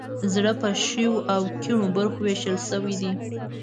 زړه په ښیو او کیڼو برخو ویشل شوی دی.